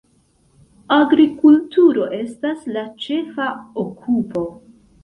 Agrikulturo estas la ĉefa okupo.